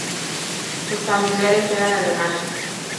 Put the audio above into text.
Sus familiares eran alemanes.